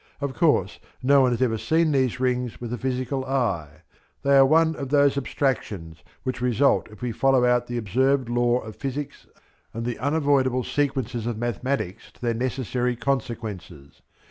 Of course no one has ever seen these rings with the physical eye. They are one of those abstractions which result if we follow out the observed law of physics and the unavoidable sequences of mathematics to their necessary consequences.